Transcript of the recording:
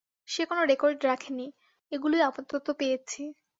সে কোনো রেকর্ড রাখেনি, এগুলোই আপাতত পেয়েছি।